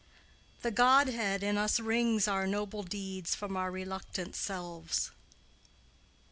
The godhead in us wrings our noble deeds From our reluctant selves.